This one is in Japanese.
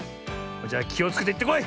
じゃあきをつけていってこい！